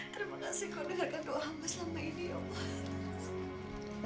terima kasih gua dengarkan doa hamba selama ini ya allah